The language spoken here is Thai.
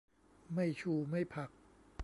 ไม่ชู ไม่ผัก